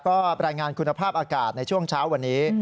ก็รายงานคุณภาพอากาศในช่วงเช้าวันนี้